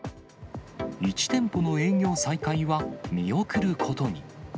１店舗の営業再開は見送ることに。